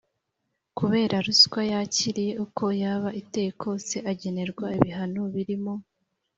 kubera ruswa yakiriye uko yaba iteye kose, agenerwa ibihano birimo